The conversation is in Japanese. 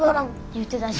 言うてたし。